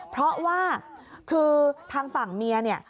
เพราะว่าคือทางฝั่งเมีย